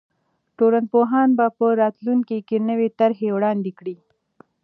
ټولنپوهان به په راتلونکي کې نوې طرحې وړاندې کړي.